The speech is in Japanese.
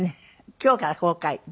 今日から公開です。